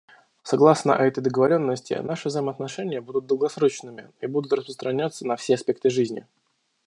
Согласно этой договоренности наши взаимоотношения будут долгосрочными и будут распространяться на все аспекты жизни.